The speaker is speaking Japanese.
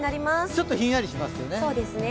ちょっとヒンヤリしますよね。